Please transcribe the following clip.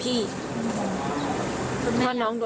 พูดไม่ออกค่ะ